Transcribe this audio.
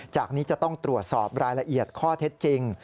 จากนี้จะต้องตรวจสอบรายละเอียดข้อเท็จจริง